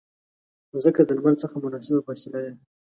مځکه د لمر څخه مناسبه فاصله لري.